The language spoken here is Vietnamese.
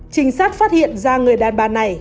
trinh sát phát hiện ra người đàn bà này